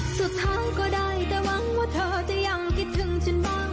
สุดท้ายก็ได้แต่หวังว่าเธอจะยังคิดถึงฉันบ้าง